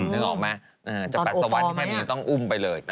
ต้องปัดสะวันไปเลย